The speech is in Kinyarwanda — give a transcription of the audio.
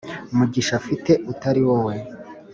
mugisha mfite utari wowe